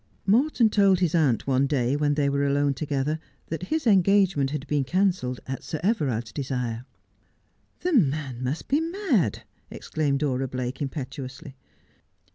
Morton told his aunt one day when they were alone together that his engagement had been cancelled at Sir Everard's desire. ' The man must be mad,' exclaimed Dora Blake impetuously.